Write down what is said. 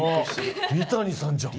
三谷さんじゃん。